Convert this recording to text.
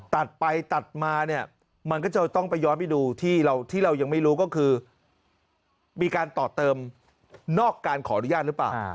ตัดไปตัดมาเนี่ยมันก็จะต้องไปย้อนไปดูที่เรายังไม่รู้ก็คือมีการต่อเติมนอกการขออนุญาตหรือเปล่า